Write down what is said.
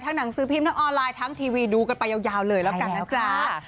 หนังสือพิมพ์ทั้งออนไลน์ทั้งทีวีดูกันไปยาวเลยแล้วกันนะจ๊ะ